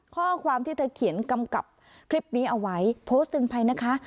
ข้อความที่เธอเขียนกำกับคลิปนี้เอาไว้โพสต์เตือนภัยนะคะ